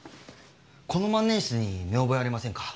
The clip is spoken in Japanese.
この万年筆に見覚えありませんか？